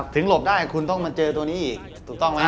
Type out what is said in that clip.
หลบได้คุณต้องมาเจอตัวนี้อีกถูกต้องไหม